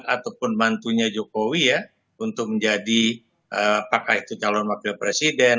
ataupun mantunya jokowi ya untuk menjadi apakah itu calon wakil presiden